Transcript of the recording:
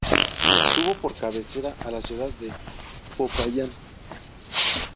Tuvo por cabecera a la ciudad de Popayán.